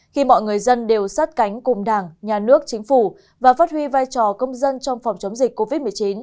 khi mọi người dân đều sát cánh cùng đảng nhà nước chính phủ và phát huy vai trò công dân trong phòng chống dịch covid một mươi chín